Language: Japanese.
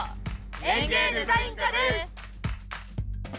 園芸デザイン科です！